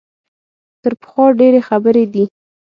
تر پخوا ډېرې خبرې دي.